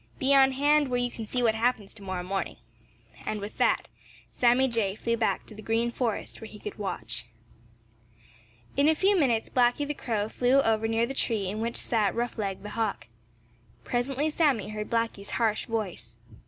"Be on hand where you can see what happens to morrow morning." And with that, Sammy Jay flew back to the Green Forest where he could watch. In a few minutes Blacky the Crow flew over near the tree in which sat Roughleg the Hawk. Presently Sammy heard Blacky's harsh voice.